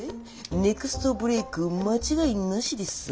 ネクストブレーク間違いなしでさぁ。